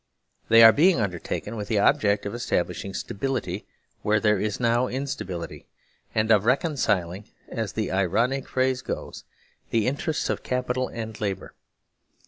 They are being undertaken with the object of establishing sta bility where there is now instability, and of " recon ciling," as the ironic phrase goes, " the interests of capital and labour."